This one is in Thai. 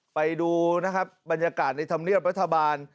ไปดูนะครับบรรยากาศในธรรมเนียบรัฐบาล